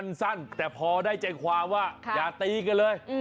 สั้นแต่พอได้ใจความว่าอย่าตีกันเลย